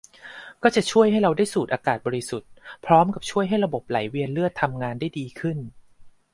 ก็จะช่วยให้เราได้สูดอากาศบริสุทธิ์ พร้อมกับช่วยให้ระบบไหลเวียนเลือดทำงานได้ดีขึ้น